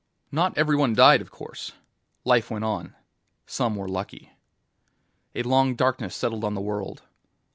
Not everyone died, of course. Life went on. Some were lucky. A long darkness settled on the world.